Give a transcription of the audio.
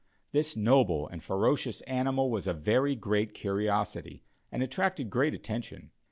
This noble and ferocious animal was a very great curiosity and attracted great attention.